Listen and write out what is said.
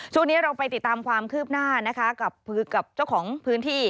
ช่วงนี้เราไปติดตามความคืบหน้านะคะกับเจ้าของพื้นที่